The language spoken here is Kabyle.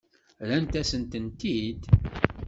Rrant-asen-ten-id?